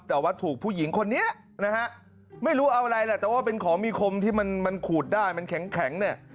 แต่ว่าถูกผู้หญิงคนนี้นะฮะไม่รู้เอาอะไรแหละแต่ว่าเป็นของมีคมที่มันขูดได้มันแข็งเนี่ย